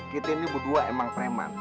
kita ini berdua emang preman